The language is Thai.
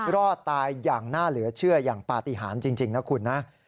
รอดตายอย่างน่าเหลือเชื่ออย่างปฏิหารจริงนะคุณนะ